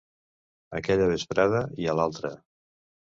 Aquella vesprada i a l'altra.